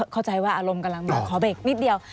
เข้าใจว่าอารมณ์กำลังบอกขอเบรกนิดเดียว